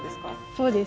そうです。